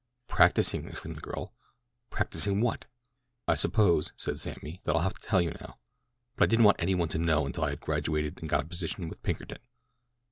"Practising?" exclaimed the girl. "Practising what?" "I suppose," said Sammy, "that I'll have to tell you now; but I didn't want any one to know until I had graduated and got a position with Pinkerton."